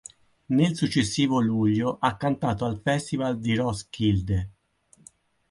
Nel successivo luglio ha cantato al festival di Roskilde.